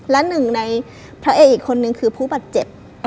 และหนึ่งในพระเอกคนหนึ่งคือผู้บัตรเจ็บ